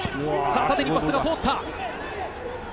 縦にパスが通った。